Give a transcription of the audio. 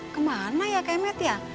kemana ya kemet ya